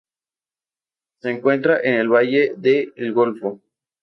Se encuentra en el Valle de El Golfo.